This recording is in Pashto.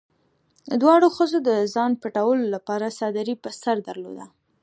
دواړو ښځو د ځان پټولو لپاره څادري په سر درلوده.